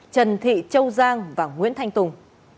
trần thị châu giang và nguyễn thành tùng